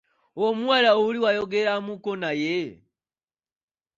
Omuwala oli wayogeremuuko naye?